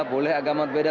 boleh agama berbeda